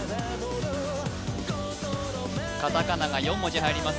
カタカナが４文字入ります